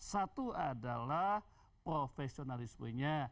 satu adalah profesionalismenya